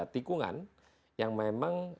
tikungan yang memang